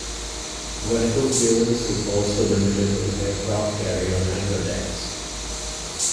Vertical clearance is also limited in aircraft carrier hangar decks.